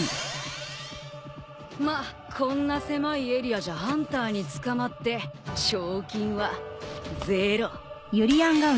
まっこんな狭いエリアじゃハンターに捕まって賞金はゼロ。